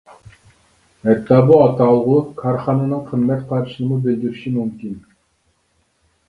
ھەتتا بۇ ئاتالغۇ كارخانىنىڭ قىممەت قارىشىنىمۇ بىلدۈرۈشى مۇمكىن.